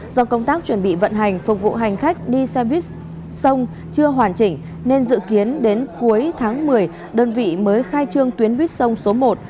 do công tác chuẩn bị vận hành phục vụ hành khách đi xe buýt sông chưa hoàn chỉnh nên dự kiến đến cuối tháng một mươi đơn vị mới khai trương tuyến buýt sông số một